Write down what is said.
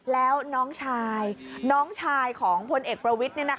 แล้วน้องชายน้องชายของพลเอกประวิทย์